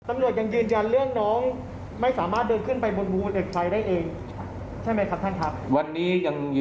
นักข่าวถามท่านเพิ่มค่ะบอกว่าถ้าผู้ต้องหาหรือว่าคนก่อเหตุฟังอยู่